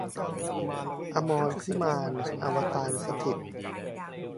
อมรพิมาน อวตารสถิตย์